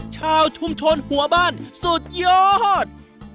ชาวชุมชนหัวบ้านสุดยอด